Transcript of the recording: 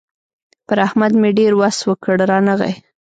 پر احمد مې ډېر وس وکړ؛ رانغی.